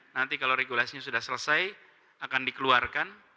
nanti kalau regulasinya sudah selesai akan dikeluarkan